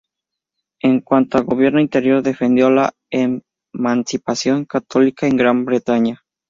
En cuanto a gobierno interior defendió la emancipación católica en Gran Bretaña.